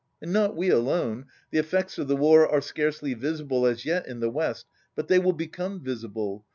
And not we alone. The effects of the war are scarcely visible as yet in the west, but they will become visible.